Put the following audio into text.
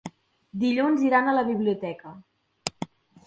Dilluns iran a la biblioteca.